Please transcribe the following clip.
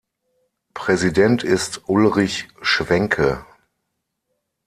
Präsident ist Ulrich Schwenke.